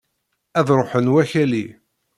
Ad ruḥen wakali!